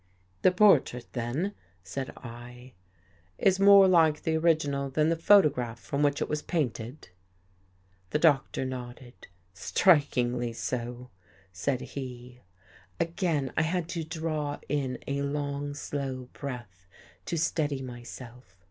" The portrait then," said I, " is more like the 5 57 THE GHOST GIRL original than the photograph from which it was painted? " The Doctor nodded. " Strikingly so," said he. Again I had to draw in a long, slow breath to steady myself.